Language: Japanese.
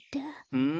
うん。